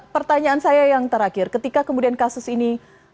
pertanyaan saya yang terakhir ketika kemudian kasus ini